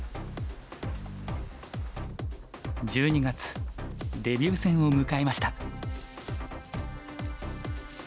１２月デビュー戦を迎えました。